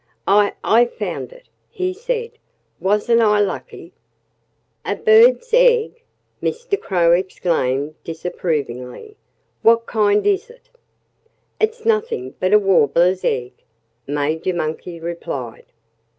"I I found it," he said. "Wasn't I lucky?" "A bird's egg!" Mr. Crow exclaimed disapprovingly. "What kind is it?" "It's nothing but a Warbler's egg," Major Monkey replied.